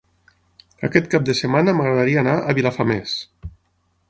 Aquest cap de setmana m'agradaria anar a Vilafamés.